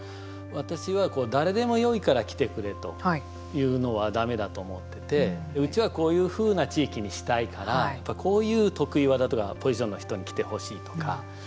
私は、こう誰でもよいから来てくれというのはだめだと思っててうちは、こういうふうな地域にしたいからやっぱり、こういう得意技とかポジションの人に来てほしいとか。